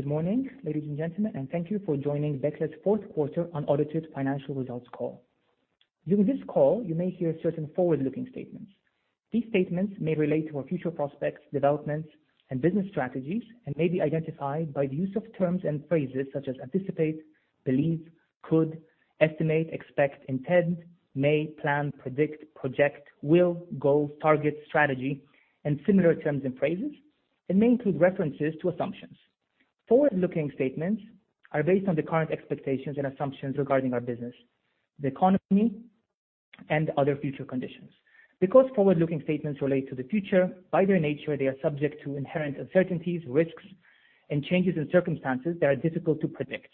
Good morning, ladies and gentlemen, and thank you for joining Becle's fourth quarter unaudited financial results call. During this call, you may hear certain forward-looking statements. These statements may relate to our future prospects, developments, and business strategies, and may be identified by the use of terms and phrases such as anticipate believe, could, estimate, expect, intend, may, plan, predict, project, will, goals, target, strategy and similar terms and phrases, and may include references to assumptions. Forward-looking statements are based on the current expectations and assumptions regarding our business, the economy, and other future conditions. Because forward-looking statements relate to the future, by their nature, they are subject to inherent uncertainties, risks, and changes in circumstances that are difficult to predict.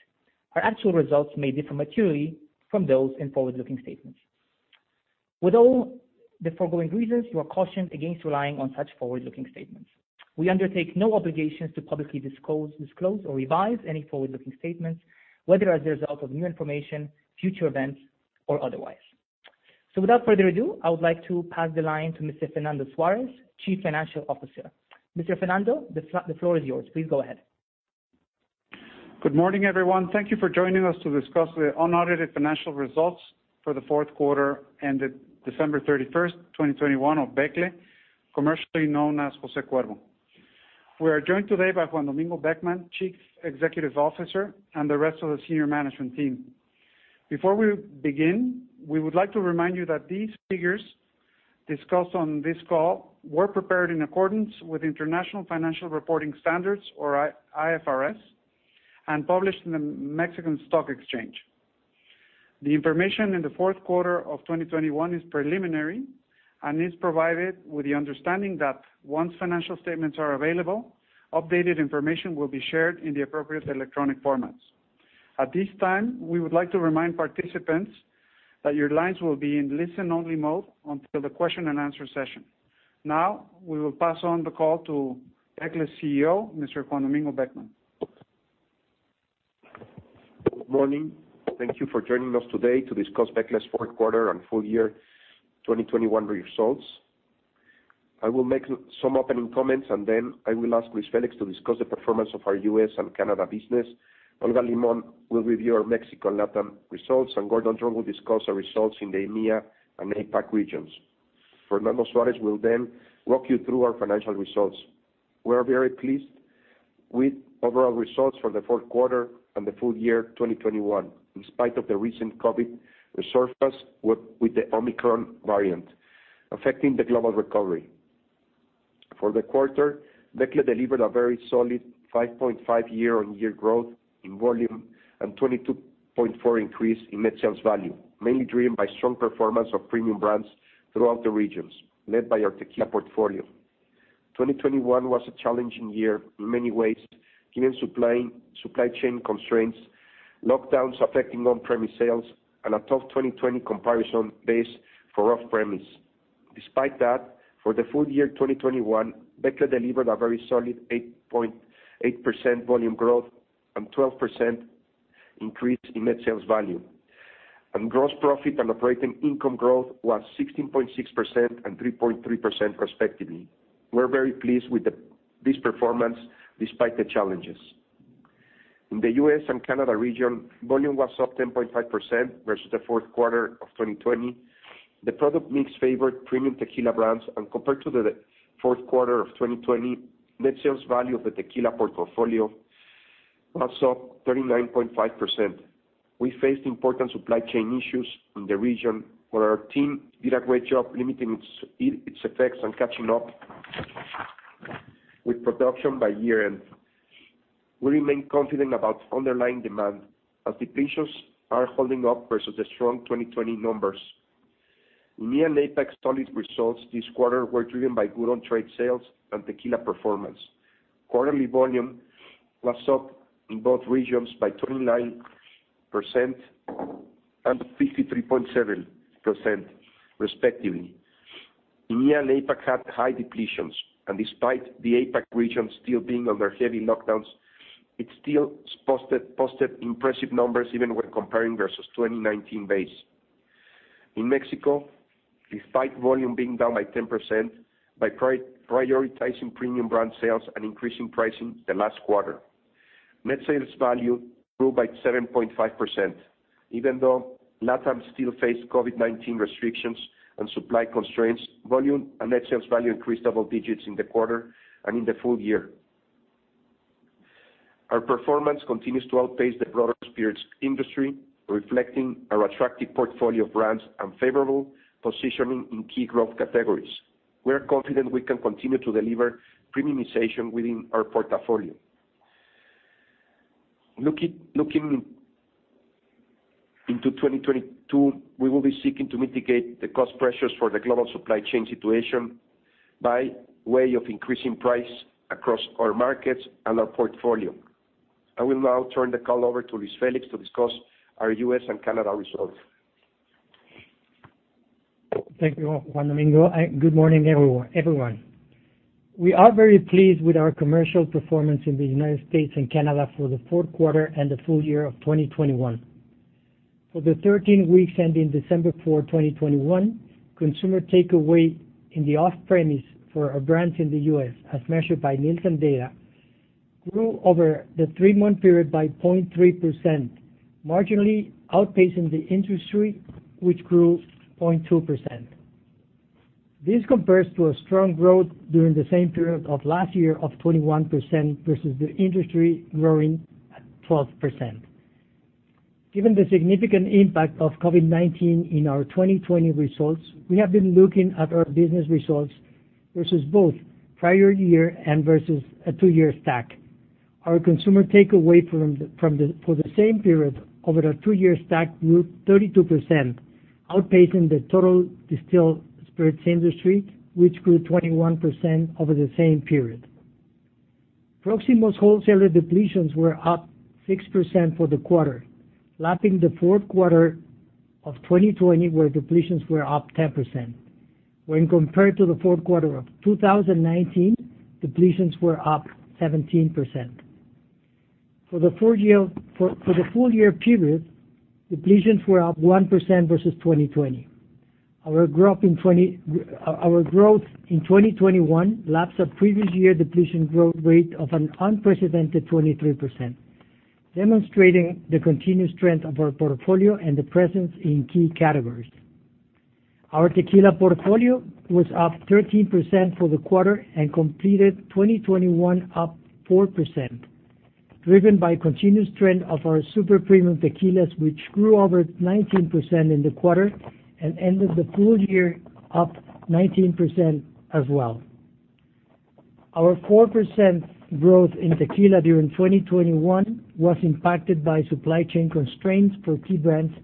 Our actual results may differ materially from those in forward-looking statements. With all the foregoing reasons, you are cautioned against relying on such forward-looking statements. We undertake no obligations to publicly disclose or revise any forward-looking statements, whether as a result of new information, future events, or otherwise. Without further ado, I would like to pass the line to Mr. Fernando Suárez, Chief Financial Officer. Mr. Fernando, the floor is yours. Please go ahead. Good morning, everyone. Thank you for joining us to discuss the unaudited financial results for the fourth quarter ended December 31st, 2021 of Becle, commercially known as Jose Cuervo. We are joined today by Juan Domingo Beckmann, Chief Executive Officer, and the rest of the senior management team. Before we begin, we would like to remind you that these figures discussed on this call were prepared in accordance with International Financial Reporting Standards, or IFRS, and published in the Mexican Stock Exchange. The information in the fourth quarter of 2021 is preliminary and is provided with the understanding that once financial statements are available, updated information will be shared in the appropriate electronic formats. At this time, we would like to remind participants that your lines will be in listen-only mode until the question-and-answer session. Now we will pass on the call to Becle CEO, Mr. Juan Domingo Beckmann. Good morning. Thank you for joining us today to discuss Becle's fourth quarter and full-year 2021 results. I will make some opening comments, and then I will ask Luis Félix to discuss the performance of our U.S. and Canada business. Olga Limón will review our Mexico and LatAm results, and Gordon Dron will discuss our results in the EMEA and APAC regions. Fernando Suárez will then walk you through our financial results. We are very pleased with overall results for the fourth quarter and the full-year 2021, in spite of the recent COVID resurgence with the Omicron variant affecting the global recovery. For the quarter, Becle delivered a very solid 5.5% year-on-year growth in volume and 22.4% increase in net sales value, mainly driven by strong performance of premium brands throughout the regions, led by our tequila portfolio. 2021 was a challenging year in many ways, given supply chain constraints, lockdowns affecting on-premise sales, and a tough 2020 comparison base for off-premise. Despite that, for the full-year 2021, Becle delivered a very solid 8.8% volume growth and 12% increase in net sales value. Gross profit and operating income growth was 16.6% and 3.3% respectively. We're very pleased with this performance despite the challenges. In the U.S. and Canada region, volume was up 10.5% versus the fourth quarter of 2020. The product mix favored premium tequila brands, and compared to the fourth quarter of 2020, net sales value of the tequila portfolio was up 39.5%. We faced important supply chain issues in the region, where our team did a great job limiting its effects and catching up with production by year-end. We remain confident about underlying demand as depletions are holding up versus the strong 2020 numbers. EMEA and APAC solid results this quarter were driven by good on-trade sales and tequila performance. Quarterly volume was up in both regions by 29% and 53.7% respectively. EMEA and APAC had high depletions, and despite the APAC region still being under heavy lockdowns, it still posted impressive numbers even when comparing versus 2019 base. In Mexico, despite volume being down by 10%, by prioritizing premium brand sales and increasing pricing in the last quarter, net sales value grew by 7.5%. Even though LatAm still faced COVID-19 restrictions and supply constraints, volume and net sales value increased double digits in the quarter and in the full year. Our performance continues to outpace the broader spirits industry, reflecting our attractive portfolio of brands and favorable positioning in key growth categories. We are confident we can continue to deliver premiumization within our portfolio. Looking into 2022, we will be seeking to mitigate the cost pressures for the global supply chain situation by way of increasing price across our markets and our portfolio. I will now turn the call over to Luis Félix to discuss our U.S. and Canada results. Thank you, Juan Domingo, and good morning, everyone. We are very pleased with our commercial performance in the United States and Canada for the fourth quarter and the full year of 2021. For the 13 weeks ending December 4, 2021, consumer takeaway in the off-premise for our brands in the U.S. as measured by Nielsen data, grew over the three-month period by 0.3%, marginally outpacing the industry, which grew 0.2%. This compares to a strong growth during the same period of last year of 21%, versus the industry growing at 12%. Given the significant impact of COVID-19 in our 2020 results, we have been looking at our business results versus both prior year and versus a two-year stack. Our consumer takeaway for the same period over the two-year stack grew 32%, outpacing the total distilled spirits industry, which grew 21% over the same period. Proximo's wholesaler depletions were up 6% for the quarter, lapping the fourth quarter of 2020, where depletions were up 10%. When compared to the fourth quarter of 2019, depletions were up 17%. For the full-year period, depletions were up 1% versus 2020. Our growth in 2021 laps our previous year depletion growth rate of an unprecedented 23%, demonstrating the continued strength of our portfolio and the presence in key categories. Our tequila portfolio was up 13% for the quarter and completed 2021 up 4%, driven by continuous trend of our super-premium tequilas, which grew over 19% in the quarter and ended the full year up 19% as well. Our 4% growth in tequila during 2021 was impacted by supply chain constraints for key brands,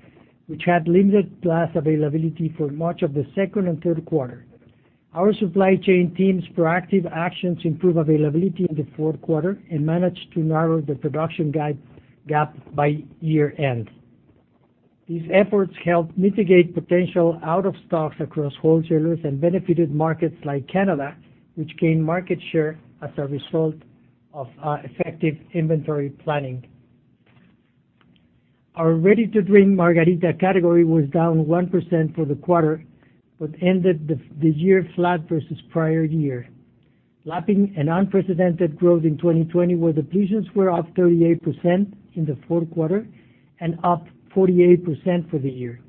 which had limited glass availability for much of the second and third quarter. Our supply chain team's proactive actions improved availability in the fourth quarter and managed to narrow the production gap by year end. These efforts helped mitigate potential out of stocks across wholesalers and benefited markets like Canada, which gained market share as a result of our effective inventory planning. Our ready-to-drink margarita category was down 1% for the quarter, but ended the year flat versus prior year, lapping an unprecedented growth in 2020, where depletions were up 38% in the fourth quarter and up 48% for the year.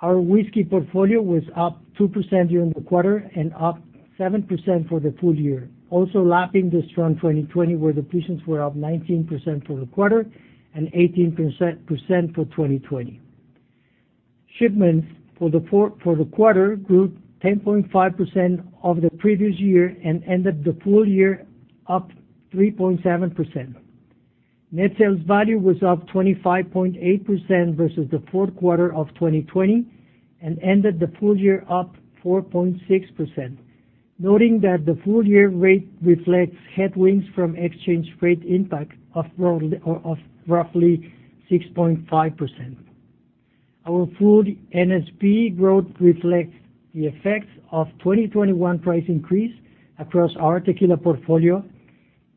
Our whiskey portfolio was up 2% during the quarter and up 7% for the full year, also lapping the strong 2020, where depletions were up 19% for the quarter and 18% for 2020. Shipments for the quarter grew 10.5% over the previous year and ended the full year up 3.7%. Net sales value was up 25.8% versus the fourth quarter of 2020 and ended the full year up 4.6%, noting that the full-year rate reflects headwinds from exchange rate impact of roughly 6.5%. Our full NSV growth reflects the effects of 2021 price increase across our tequila portfolio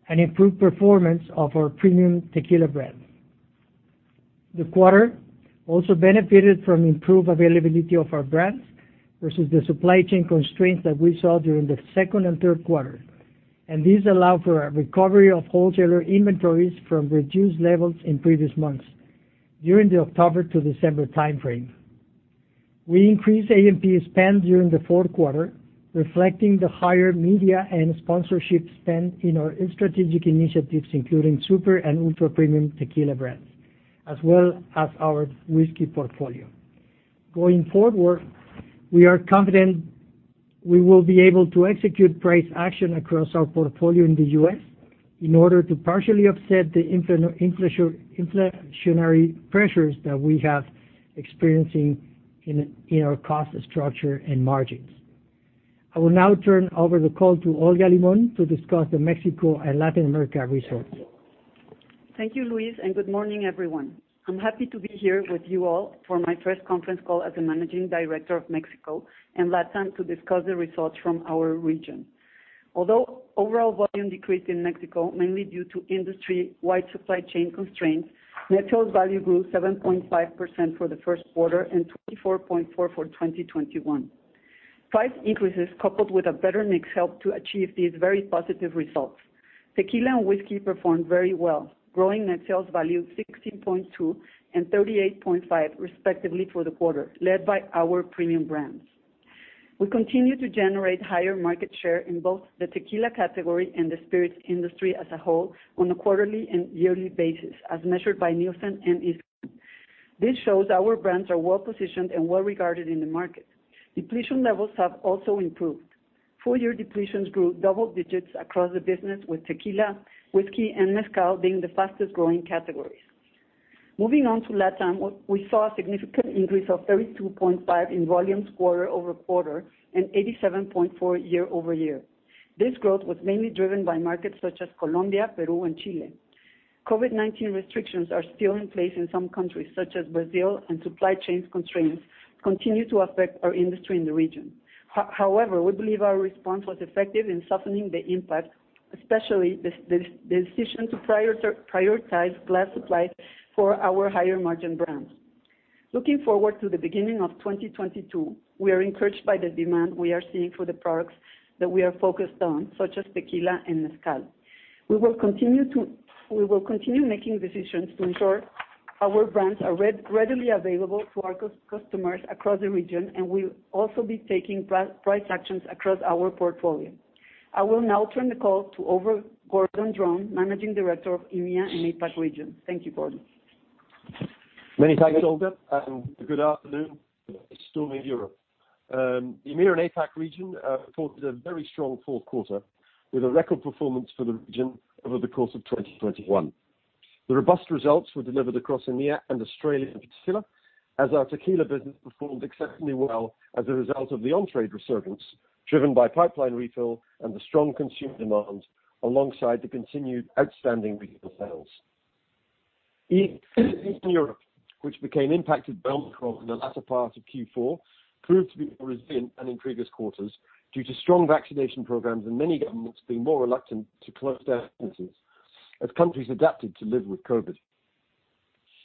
and improved performance of our premium tequila brands. The quarter also benefited from improved availability of our brands versus the supply chain constraints that we saw during the second and third quarter. These allow for a recovery of wholesaler inventories from reduced levels in previous months during the October to December timeframe. We increased A&P spend during the fourth quarter, reflecting the higher media and sponsorship spend in our strategic initiatives, including super and ultra-premium tequila brands, as well as our whiskey portfolio. Going forward, we are confident we will be able to execute price action across our portfolio in the U.S. in order to partially offset the inflationary pressures that we have been experiencing in our cost structure and margins. I will now turn over the call to Olga Limón to discuss the Mexico and Latin America results. Thank you, Luis, and good morning, everyone. I'm happy to be here with you all for my first conference call as the managing director of Mexico and LatAm to discuss the results from our region. Although overall volume decreased in Mexico, mainly due to industry-wide supply chain constraints, net sales value grew 7.5% for the first quarter and 24.4% for 2021. Price increases coupled with a better mix helped to achieve these very positive results. Tequila and whiskey performed very well, growing net sales value 16.2% and 38.5% respectively for the quarter, led by our premium brands. We continue to generate higher market share in both the tequila category and the spirits industry as a whole on a quarterly and yearly basis, as measured by Nielsen and ISC. This shows our brands are well-positioned and well-regarded in the market. Depletion levels have also improved. Full-year depletions grew double digits across the business with tequila, whiskey, and mezcal being the fastest-growing categories. Moving on to LatAm, we saw a significant increase of 32.5% in volume quarter-over-quarter and 87.4% year-over-year. This growth was mainly driven by markets such as Colombia, Peru, and Chile. COVID-19 restrictions are still in place in some countries, such as Brazil, and supply chain constraints continue to affect our industry in the region. However, we believe our response was effective in softening the impact. Especially the decision to prioritize glass supply for our higher margin brands. Looking forward to the beginning of 2022, we are encouraged by the demand we are seeing for the products that we are focused on, such as tequila and mezcal. We will continue making decisions to ensure our brands are readily available to our customers across the region, and we'll also be taking price actions across our portfolio. I will now turn the call over to Gordon Dron, Managing Director of EMEA & APAC region. Thank you, Gordon. Many thanks, Olga. Good afternoon, stormy Europe. EMEA and APAC region reported a very strong fourth quarter with a record performance for the region over the course of 2021. The robust results were delivered across EMEA and Australia in particular, as our tequila business performed exceptionally well as a result of the on-trade resurgence driven by pipeline refill and the strong consumer demand alongside the continued outstanding regional sales. Europe, which became impacted by Omicron in the latter part of Q4, proved to be more resilient than in previous quarters due to strong vaccination programs and many governments being more reluctant to close down businesses as countries adapted to live with COVID.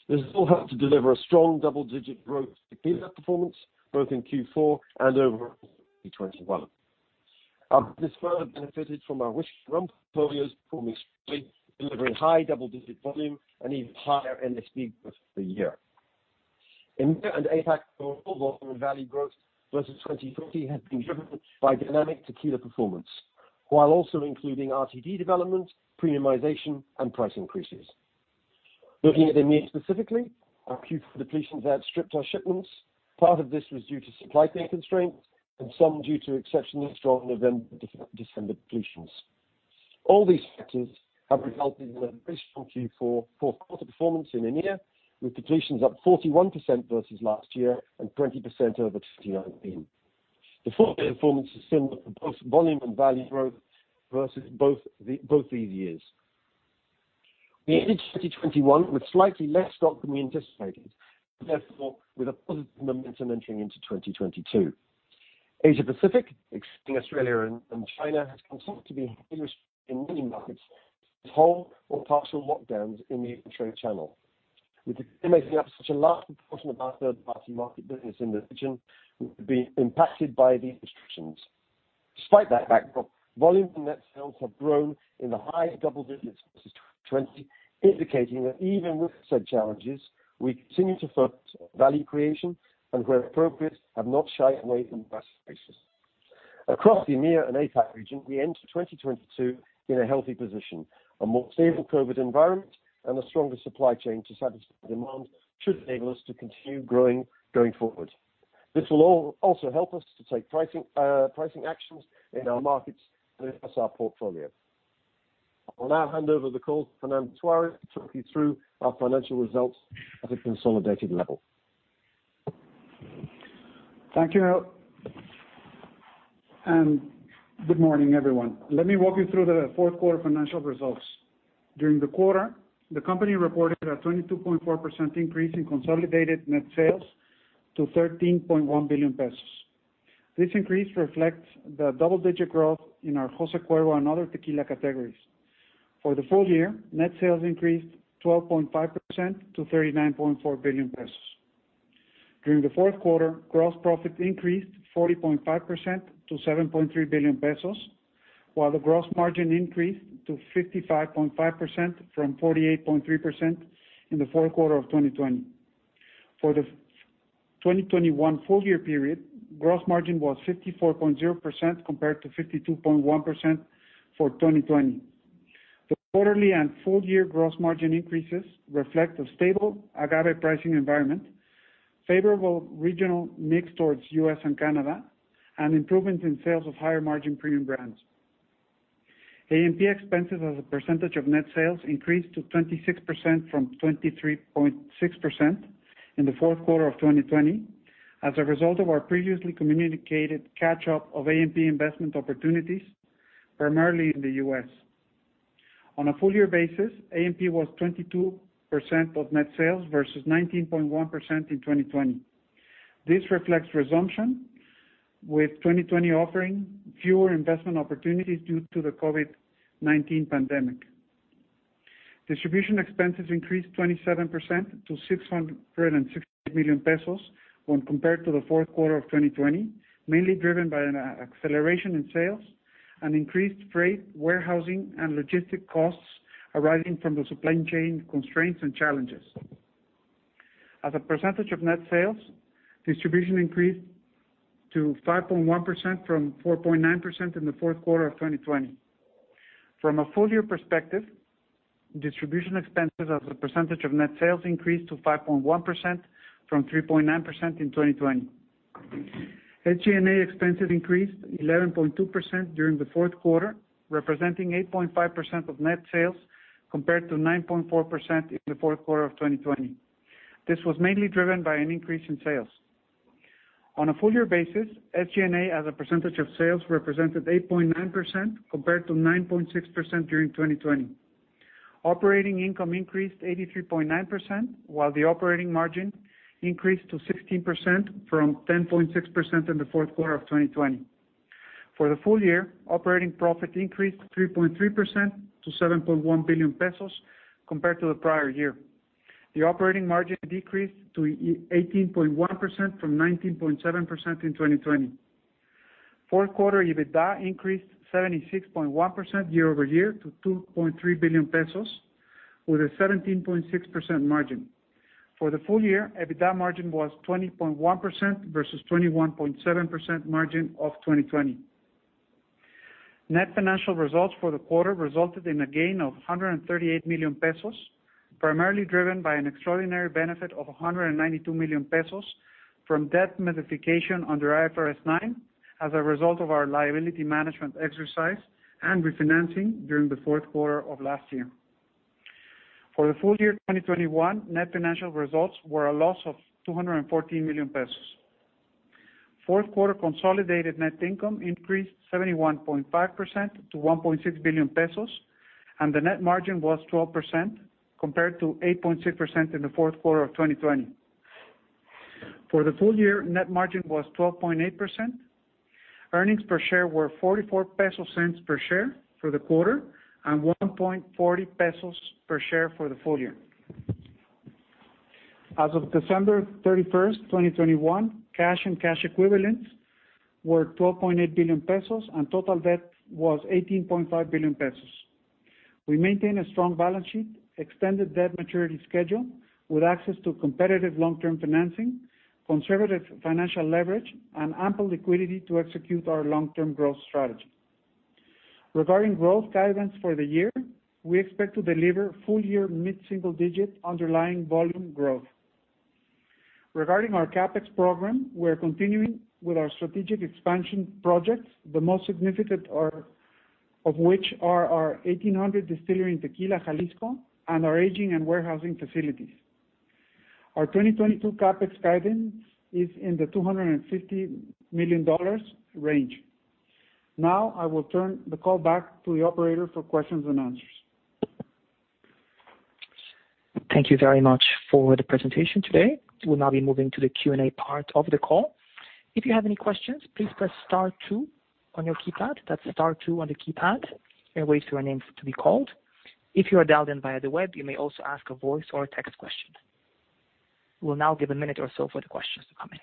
This all helped to deliver a strong double-digit growth in tequila performance, both in Q4 and over 2021. This further benefited from our whiskey rum portfolios performing strongly, delivering high double-digit volume and even higher NSV growth for the year. EMEA and APAC overall volume and value growth versus 2020 has been driven by dynamic tequila performance, while also including RTD development, premiumization, and price increases. Looking at EMEA specifically, our Q4 depletions outstripped our shipments. Part of this was due to supply chain constraints and some due to exceptionally strong November, December depletions. All these factors have resulted in an exceptional Q4 fourth quarter performance in EMEA, with depletions up 41% versus last year and 20% over 2019. The full-year performance is similar for both volume and value growth versus both these years. We ended 2021 with slightly less stock than we anticipated, therefore with a positive momentum entering into 2022. Asia Pacific, excluding Australia and China, has continued to be heavily impacted in many markets with whole or partial lockdowns in the on-trade channel, with it making up such a large portion of our third-party market business in the region. We've been impacted by these restrictions. Despite that backdrop, volume and net sales have grown in the high double digits versus 2020, indicating that even with said challenges, we continue to focus on value creation, and where appropriate, have not shied away from price increases. Across the EMEA and APAC region, we enter 2022 in a healthy position. A more stable COVID environment and a stronger supply chain to satisfy demand should enable us to continue growing going forward. This will also help us to take pricing actions in our markets as our portfolio. I will now hand over the call to Fernando Suárez to talk you through our financial results at a consolidated level. Thank you. Good morning, everyone. Let me walk you through the fourth quarter financial results. During the quarter, the company reported a 22.4% increase in consolidated net sales to 13.1 billion pesos. This increase reflects the double-digit growth in our Jose Cuervo and other tequila categories. For the full year, net sales increased 12.5% to 39.4 billion pesos. During the fourth quarter, gross profit increased 40.5% to 7.3 billion pesos, while the gross margin increased to 55.5% from 48.3% in the fourth quarter of 2020. For the 2021 full-year period, gross margin was 54.0% compared to 52.1% for 2020. The quarterly and full-year gross margin increases reflect a stable agave pricing environment, favorable regional mix towards U.S. and Canada, and improvement in sales of higher margin premium brands. A&P expenses as a percentage of net sales increased to 26% from 23.6% in the fourth quarter of 2020 as a result of our previously communicated catch-up of A&P investment opportunities, primarily in the U.S. On a full-year basis, A&P was 22% of net sales versus 19.1% in 2020. This reflects resumption, with 2020 offering fewer investment opportunities due to the COVID-19 pandemic. Distribution expenses increased 27% to 660 million pesos when compared to the fourth quarter of 2020, mainly driven by an acceleration in sales and increased freight, warehousing, and logistic costs arising from the supply chain constraints and challenges. As a percentage of net sales, distribution increased to 5.1% from 4.9% in the fourth quarter of 2020. From a full-year perspective, distribution expenses as a percentage of net sales increased to 5.1% from 3.9% in 2020. SG&A expenses increased 11.2% during the fourth quarter, representing 8.5% of net sales, compared to 9.4% in the fourth quarter of 2020. This was mainly driven by an increase in sales. On a full-year basis, SG&A as a percentage of sales represented 8.9% compared to 9.6% during 2020. Operating income increased 83.9%, while the operating margin increased to 16% from 10.6% in the fourth quarter of 2020. For the full year, operating profit increased 3.3% to 7.1 billion pesos compared to the prior year. The operating margin decreased to 18.1% from 19.7% in 2020. Fourth quarter EBITDA increased 76.1% year-over-year to 2.3 billion pesos with a 17.6% margin. For the full year, EBITDA margin was 20.1% versus 21.7% margin of 2020. Net financial results for the quarter resulted in a gain of 138 million pesos, primarily driven by an extraordinary benefit of 192 million pesos from debt modification under IFRS 9 as a result of our liability management exercise and refinancing during the fourth quarter of last year. For the full-year 2021, net financial results were a loss of 214 million pesos. Fourth quarter consolidated net income increased 71.5% to 1.6 billion pesos, and the net margin was 12% compared to 8.6% in the fourth quarter of 2020. For the full year, net margin was 12.8%. Earnings per share were 0.44 for the quarter and 1.40 pesos for the full year. As of December 31st, 2021, cash and cash equivalents were 12.8 billion pesos, and total debt was 18.5 billion pesos. We maintain a strong balance sheet, extended debt maturity schedule with access to competitive long-term financing, conservative financial leverage, and ample liquidity to execute our long-term growth strategy. Regarding growth guidance for the year, we expect to deliver full-year mid-single-digit underlying volume growth. Regarding our CapEx program, we're continuing with our strategic expansion projects, the most significant of which are our 1800 distillery in Tequila, Jalisco, and our aging and warehousing facilities. Our 2022 CapEx guidance is in the $250 million range. Now I will turn the call back to the Operator for questions and answers. Thank you very much for the presentation today. We'll now be moving to the Q&A part of the call. If you have any questions, please press star two on your keypad. That's star two on the keypad, and wait for your name to be called. If you are dialed in via the web, you may also ask a voice or a text question. We'll now give a minute or so for the questions to come in.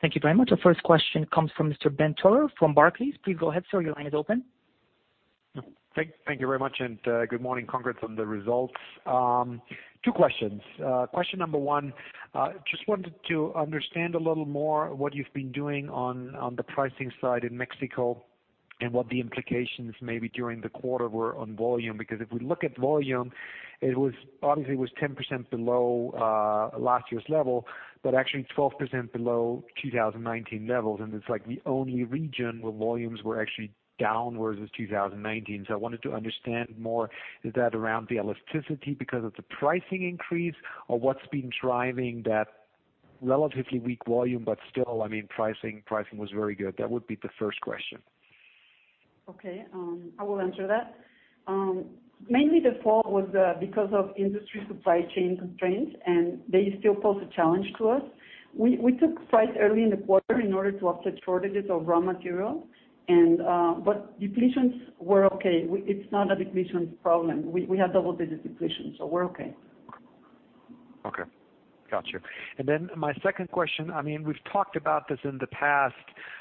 Thank you very much. Our first question comes from Mr. Ben Theurer from Barclays. Please go ahead, sir. Your line is open. Thank you very much, and good morning. Congrats on the results. Two questions. Question number one, just wanted to understand a little more what you've been doing on the pricing side in Mexico and what the implications maybe during the quarter were on volume. Because if we look at volume, it was obviously 10% below last year's level, but actually 12% below 2019 levels. It's like the only region where volumes were actually downwards was 2019. I wanted to understand more, is that around the elasticity because of the pricing increase or what's been driving that relatively weak volume? Still, I mean, pricing was very good. That would be the first question. Okay. I will answer that. Mainly the fall was because of industry supply chain constraints, and they still pose a challenge to us. We took price early in the quarter in order to offset shortages of raw material, but depletions were okay. It's not a depletion problem. We have double-digit depletion, so we're okay. Okay. Got you. My second question, I mean, we've talked about this in the past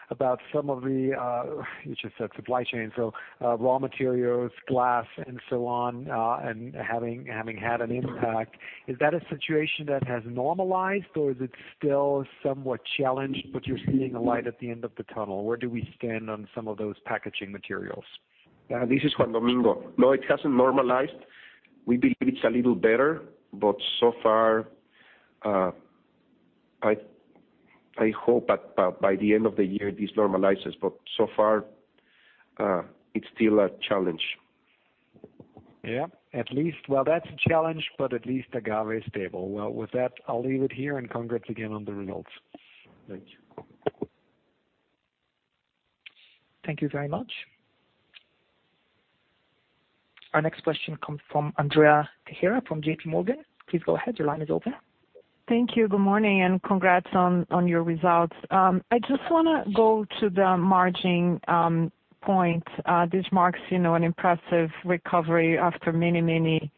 about some of the, you just said supply chain, so, raw materials, glass, and so on, and having had an impact. Is that a situation that has normalized, or is it still somewhat challenged, but you're seeing a light at the end of the tunnel? Where do we stand on some of those packaging materials? This is Juan Domingo. No, it hasn't normalized. We believe it's a little better, but so far, I hope by the end of the year this normalizes, but so far, it's still a challenge. Yeah. Well, that's a challenge, but at least agave is stable. Well, with that, I'll leave it here, and congrats again on the results. Thank you. Thank you very much. Our next question comes from Andrea Teixeira from JPMorgan. Please go ahead. Your line is open. Thank you. Good morning, and congrats on your results. I just wanna go to the margin point. This marks, you know, an impressive recovery after many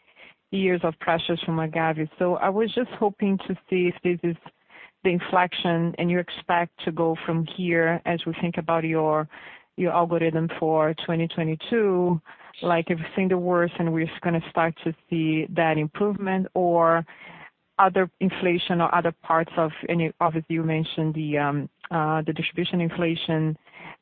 years of pressures from agave. I was just hoping to see if this is the inflection and you expect to go from here as we think about your algorithm for 2022. Like, have you seen the worst and we're just gonna start to see that improvement or other inflation or other parts. Obviously, you mentioned the distribution inflation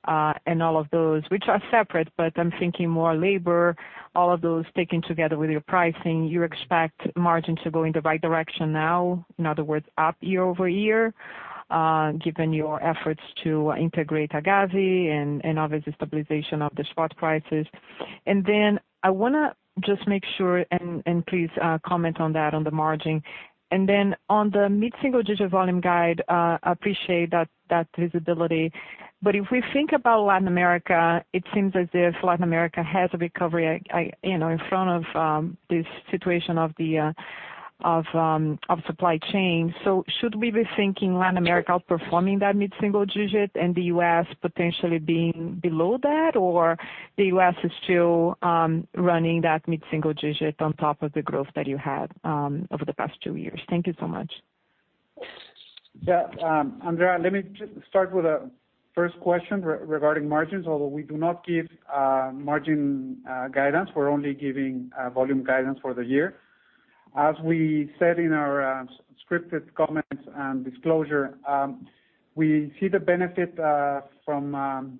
and all of those, which are separate, but I'm thinking more labor, all of those taken together with your pricing. You expect margin to go in the right direction now, in other words, up year-over-year, given your efforts to integrate agave and obviously stabilization of the spot prices. I want to just make sure, please comment on that on the margin. Then on the mid-single-digit volume guide, appreciate that visibility. If we think about Latin America, it seems as if Latin America has a recovery, you know, in front of this situation of the supply chain. Should we be thinking Latin America outperforming that mid-single-digit and the U.S. potentially being below that? Or the U.S. is still running that mid-single-digit on top of the growth that you had over the past two years? Thank you so much. Yeah. Andrea, let me just start with the first question regarding margins. Although we do not give margin guidance, we're only giving volume guidance for the year. As we said in our scripted comments and disclosure, we see the benefit from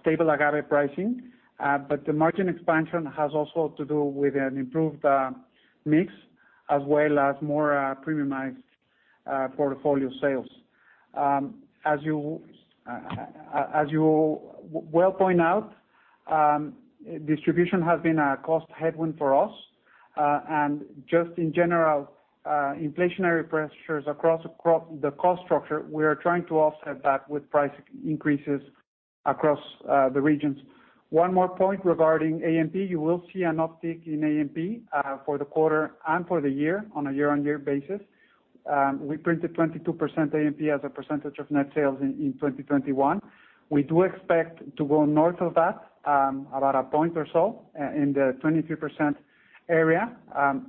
stable agave pricing. The margin expansion has also to do with an improved mix as well as more premiumized portfolio sales. As you well point out, distribution has been a cost headwind for us. Just in general, inflationary pressures across the cost structure, we are trying to offset that with price increases across the regions. One more point regarding A&P. You will see an uptick in A&P for the quarter and for the year on a year-on-year basis. We printed 22% A&P as a percentage of net sales in 2021. We do expect to go north of that, about a point or so, in the 23% area,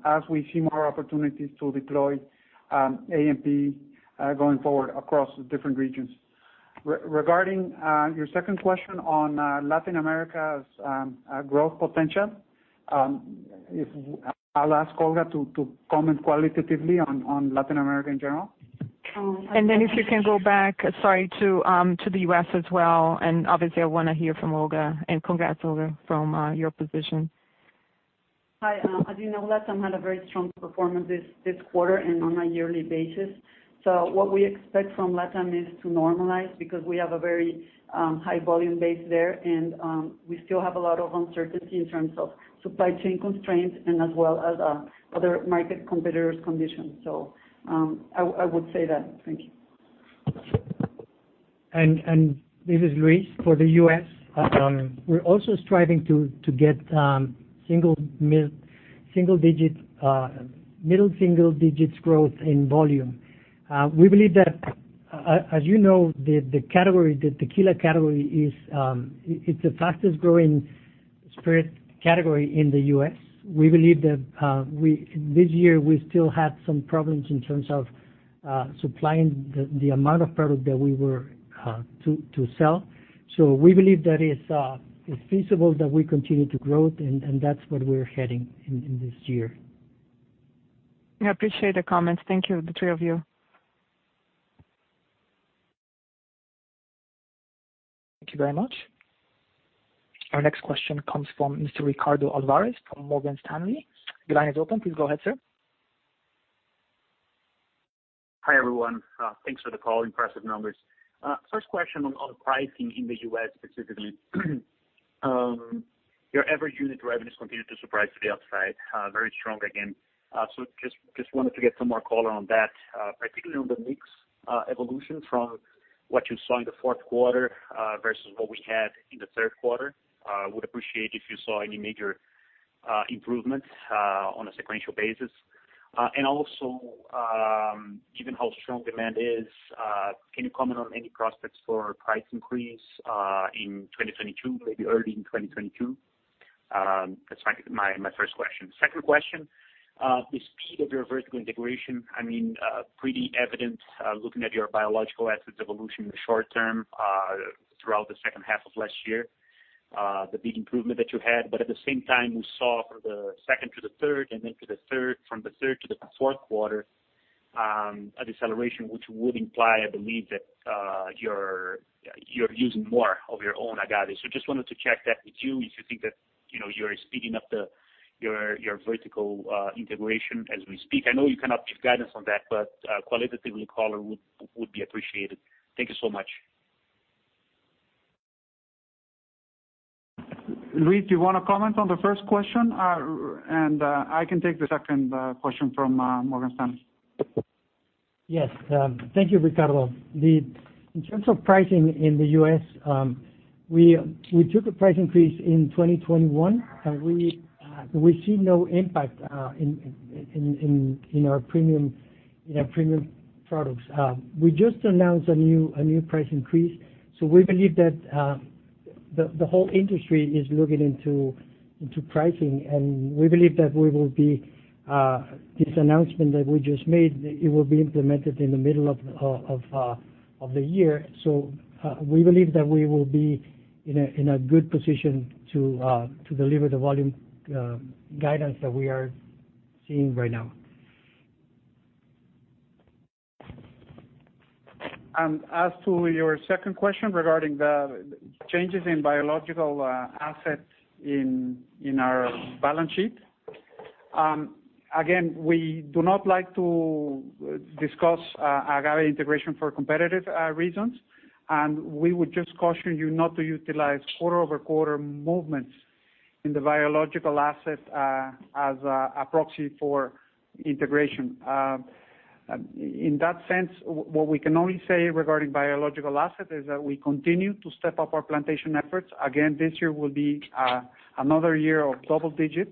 as we see more opportunities to deploy A&P going forward across different regions. Regarding your second question on Latin America's growth potential, I'll ask Olga to comment qualitatively on Latin America in general. If you can go back, sorry, to the U.S. as well, and obviously I wanna hear from Olga. Congrats, Olga, from your position. Hi. As you know, LatAm had a very strong performance this quarter and on a yearly basis. What we expect from LatAm is to normalize because we have a very high volume base there and we still have a lot of uncertainty in terms of supply chain constraints and as well as other market competitors' conditions. I would say that. Thank you. This is Luis. For the U.S., we're also striving to get single digit, middle-single-digits growth in volume. We believe that, as you know, the tequila category is the fastest growing spirit category in the U.S. We believe that this year we still had some problems in terms of supplying the amount of product that we were to sell. We believe that it's feasible that we continue to grow, and that's what we're heading in this year. I appreciate the comments. Thank you, the three of you. Thank you very much. Our next question comes from Mr. Ricardo Alves from Morgan Stanley. The line is open. Please go ahead, sir. Hi, everyone. Thanks for the call. Impressive numbers. First question on pricing in the U.S. specifically. Your average unit revenues continued to surprise to the upside, very strong again. Just wanted to get some more color on that, particularly on the mix evolution from what you saw in the fourth quarter versus what we had in the third quarter. Would appreciate if you saw any major improvement on a sequential basis. Given how strong demand is, can you comment on any prospects for price increase in 2022, maybe early in 2022? That's my first question. Second question, the speed of your vertical integration, I mean, pretty evident looking at your biological assets evolution in the short term throughout the second half of last year, the big improvement that you had. At the same time, we saw from the second to the third and then to the third, from the third to the fourth quarter a deceleration, which would imply, I believe that you're using more of your own agave. Just wanted to check that with you, if you think that, you know, you're speeding up your vertical integration as we speak. I know you cannot give guidance on that, but qualitatively color would be appreciated. Thank you so much. Luis Félix, do you wanna comment on the first question? I can take the second question from Morgan Stanley. Yes. Thank you, Ricardo. In terms of pricing in the U.S., we took a price increase in 2021, and we see no impact in our premium products. We just announced a new price increase, so we believe that the whole industry is looking into pricing, and we believe that this announcement that we just made will be implemented in the middle of the year. We believe that we will be in a good position to deliver the volume guidance that we are seeing right now. As to your second question regarding the changes in biological assets in our balance sheet, again, we do not like to discuss agave integration for competitive reasons. We would just caution you not to utilize quarter-over-quarter movements in the biological asset as a proxy for integration. In that sense, what we can only say regarding biological asset is that we continue to step up our plantation efforts. Again, this year will be another year of double-digit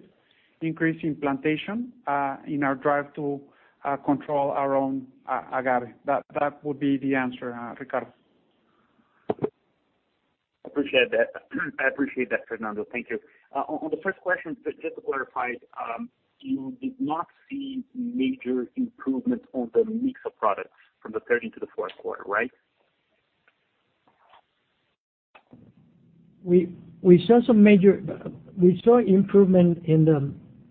increase in plantation in our drive to control our own agave. That would be the answer, Ricardo. Appreciate that. I appreciate that, Fernando. Thank you. On the first question, just to clarify, you did not see major improvements on the mix of products from the third into the fourth quarter, right? We saw improvement.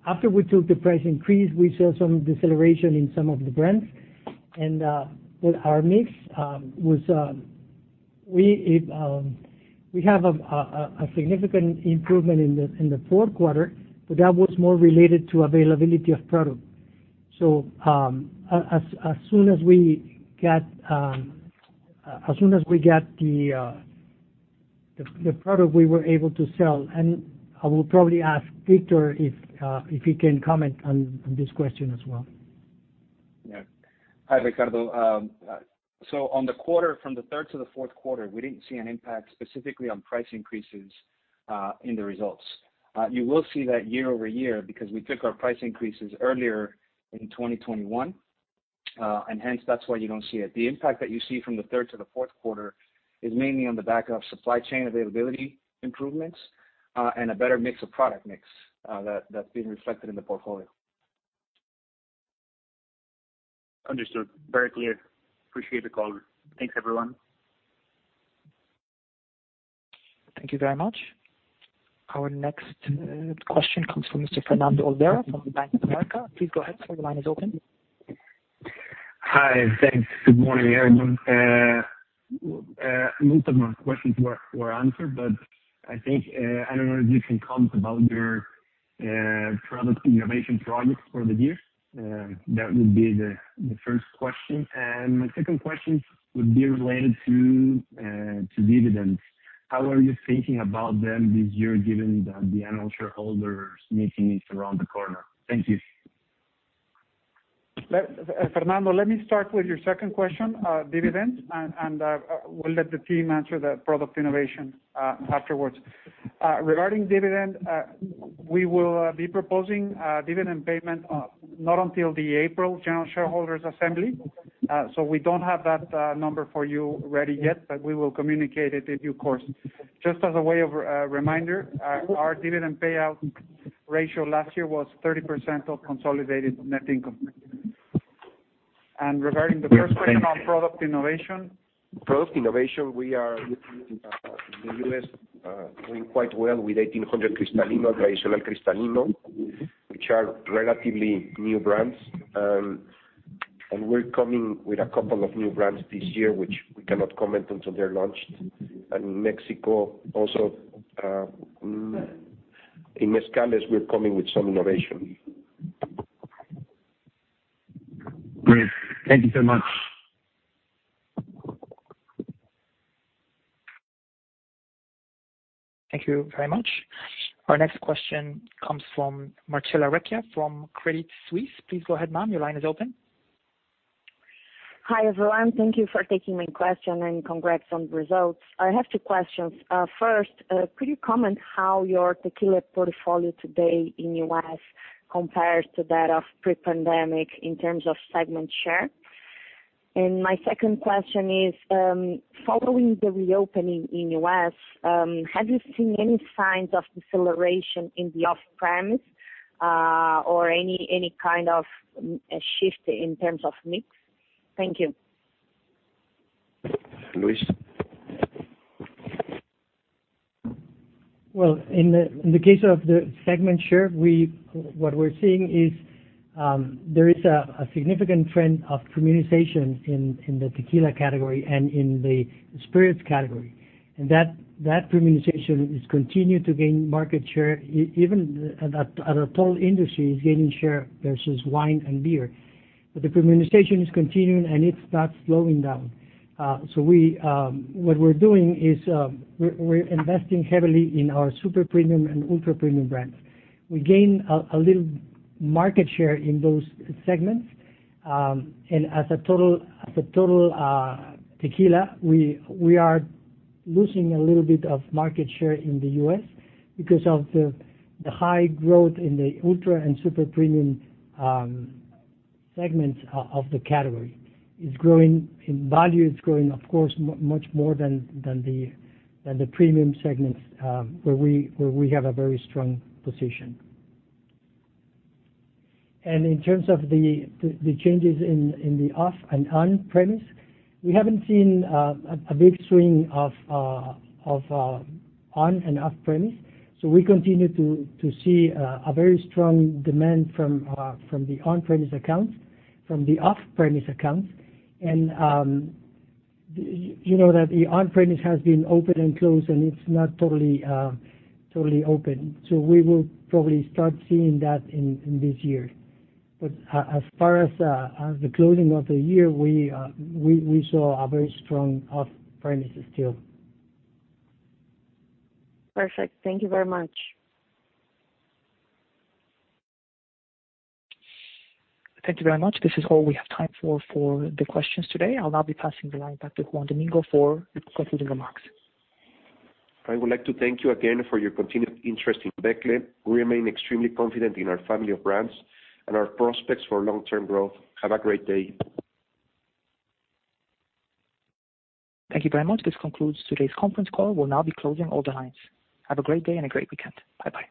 After we took the price increase, we saw some deceleration in some of the brands. With our mix, we have a significant improvement in the fourth quarter, but that was more related to availability of product. As soon as we get the product, we were able to sell. I will probably ask Victor if he can comment on this question as well. Yeah. Hi, Ricardo. On the quarter from the third to the fourth quarter, we didn't see an impact specifically on price increases in the results. You will see that year-over-year because we took our price increases earlier in 2021, and hence that's why you don't see it. The impact that you see from the third to the fourth quarter is mainly on the back of supply chain availability improvements, and a better mix of product mix that's been reflected in the portfolio. Understood. Very clear. Appreciate the call. Thanks, everyone. Thank you very much. Our next question comes from Mr. Fernando Olvera from Bank of America. Please go ahead, sir. The line is open. Hi. Thanks. Good morning, everyone. Most of my questions were answered, but I think I don't know if you can comment about your product innovation projects for the year. That would be the first question. My second question would be related to dividends. How are you thinking about them this year given that the annual shareholders meeting is around the corner? Thank you. Fernando, let me start with your second question, dividend, and we'll let the team answer the product innovation afterwards. Regarding dividend, we will be proposing a dividend payment not until the April general shareholders assembly. So we don't have that number for you ready yet, but we will communicate it in due course. Just as a way of reminder, our dividend payout ratio last year was 30% of consolidated net income. Regarding the first question on product innovation. Product innovation, we are in the U.S., doing quite well with 1800 Cristalino, Tradicional Cristalino, which are relatively new brands. We're coming with a couple of new brands this year, which we cannot comment until they're launched. Mexico also, in mezcal, we're coming with some innovation. Great. Thank you so much. Thank you very much. Our next question comes from Marcella Recchia from Credit Suisse. Please go ahead, ma'am. Your line is open. Hi, everyone. Thank you for taking my question, and congrats on the results. I have two questions. First, could you comment how your tequila portfolio today in U.S. compares to that of pre-pandemic in terms of segment share? My second question is, following the reopening in U.S., have you seen any signs of deceleration in the off-premise, or any kind of shift in terms of mix? Thank you. Luis? Well, in the case of the segment share, what we're seeing is, there is a significant trend of premiumization in the tequila category and in the spirits category. That premiumization is continued to gain market share even at a total industry is gaining share versus wine and beer. The premiumization is continuing, and it's not slowing down. What we're doing is, we're investing heavily in our super-premium and ultra-premium brands. We gain a little market share in those segments. As a total tequila, we are losing a little bit of market share in the U.S. because of the high growth in the ultra and super-premium segments of the category. It's growing in value. It's growing, of course, much more than the premium segments, where we have a very strong position. In terms of the changes in the off and on-premise, we haven't seen a big swing of on and off-premise. We continue to see a very strong demand from the on-premise accounts, from the off-premise accounts. You know that the on-premise has been open and closed, and it's not totally open. We will probably start seeing that in this year. As far as the closing of the year, we saw a very strong off-premise still. Perfect. Thank you very much. Thank you very much. This is all we have time for the questions today. I'll now be passing the line back to Juan Domingo for concluding remarks. I would like to thank you again for your continued interest in Becle. We remain extremely confident in our family of brands and our prospects for long-term growth. Have a great day. Thank you very much. This concludes today's conference call. We'll now be closing all the lines. Have a great day and a great weekend. Bye-bye.